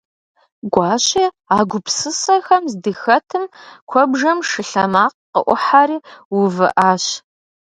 Гуащэ а гупсысэхэм здыхэтым куэбжэм шы лъэмакъ къыӏухьэри увыӏащ.